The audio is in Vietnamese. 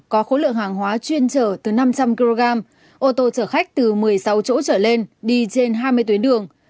có khối lượng hàng hóa chuyên chở từ năm trăm linh kg ô tô chở khách từ một mươi sáu chỗ trở lên đi trên hai mươi tuyến đường